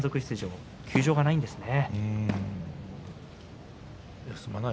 ここまで休場がないんですね。